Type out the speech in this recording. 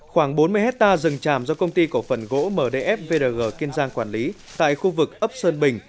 khoảng bốn mươi hectare rừng tràm do công ty cổ phần gỗ mdf vrg kiên giang quản lý tại khu vực ấp sơn bình